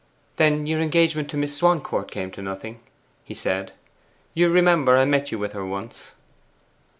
'Then your engagement to Miss Swancourt came to nothing,' he said. 'You remember I met you with her once?